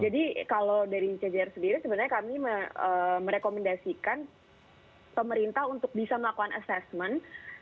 jadi kalau dari cjr sendiri sebenarnya kami merekomendasikan pemerintah untuk bisa melakukan assessment